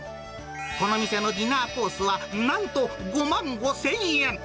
この店のディナーコースは、なんと５万５０００円。